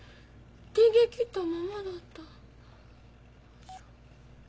電源切ったままだった。